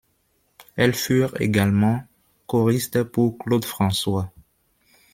Elles furent également choristes pour Claude François.